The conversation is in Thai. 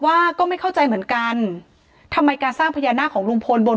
ก็ไม่เข้าใจเหมือนกันทำไมการสร้างพญานาคของลุงพลบน